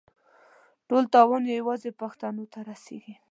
ټول تاوان یې یوازې پښتنو ته رسېږي.